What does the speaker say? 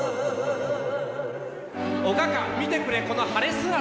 おかか見てくれこの晴れ姿。